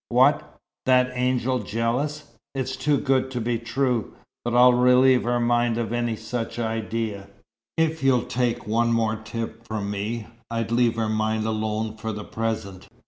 "What that angel jealous? It's too good to be true! But I'll relieve her mind of any such idea." "If you'll take one more tip from me, I'd leave her mind alone for the present."